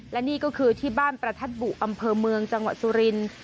และนี่ก็คือที่บ้านประทัดบุอำเภอเมืองจังหวัดสุรินทร์